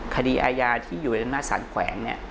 คดีอาญาที่อยู่ในลักษณะสารแขวง